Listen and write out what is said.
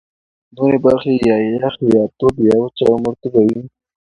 نورې برخې یا یخ، یا تود، یا وچه او مرطوبه وې.